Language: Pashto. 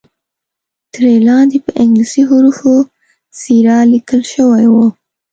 ترې لاندې په انګلیسي حروفو سیرا لیکل شوی وو.